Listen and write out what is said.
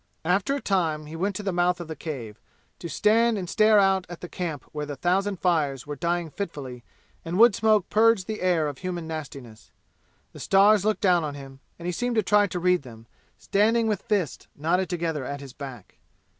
After a time he went to the mouth of the cave, to stand and stare out at the camp where the thousand fires were dying fitfully and wood smoke purged the air of human nastiness. The stars looked down on him, and he seemed to try to read them, standing with fists knotted together at his back.